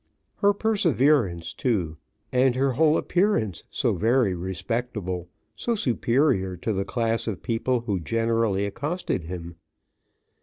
Her perseverance too and her whole appearance so very respectable so superior to the class of people who generally accosted him.